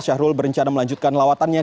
syahrul berencana melanjutkan lawatannya